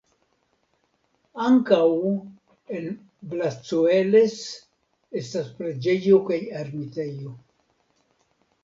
Ankaŭ en Blascoeles estas preĝejo kaj ermitejo.